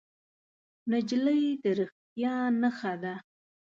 نجلۍ د رښتیا نښه ده.